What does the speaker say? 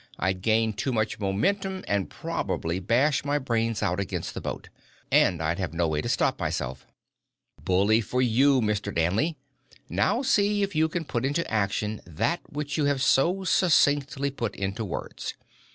"I'd gain too much momentum and probably bash my brains out against the boat. And I'd have no way to stop myself." "Bully for you, Mr. Danley! Now see if you can put into action that which you have so succinctly put into words.